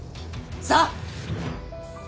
さあ！